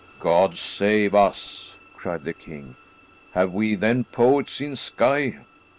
"God save us!" cried the king. "Have we then poets in Skye?"